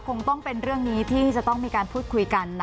คงต้องเป็นเรื่องนี้ที่จะต้องมีการพูดคุยกัน